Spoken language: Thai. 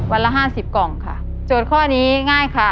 วันละห้าสิบกล่องค่ะโจทย์ข้อนี้ง่ายค่ะ